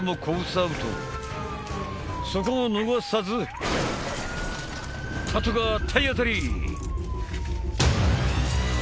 アウトそこを逃さずパトカー体当たり！